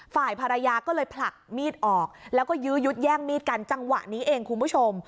ฝ่ายภรรยาก็เลยผลักมีดออกแล้วก็ยื้อยุดแย่งมีดกันจังหวะนี้เองคุณผู้ชม